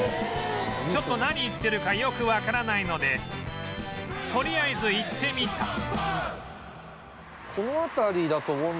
ちょっと何言ってるかよくわからないのでとりあえず行ってみた